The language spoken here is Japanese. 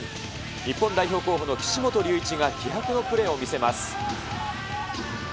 日本代表候補の岸本隆一が、気迫のプレーを見せます。